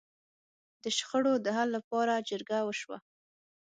د شخړو د حل لپاره جرګه وشوه.